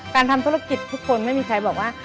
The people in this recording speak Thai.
ทำธุรกิจทุกคนไม่มีใครบอกว่า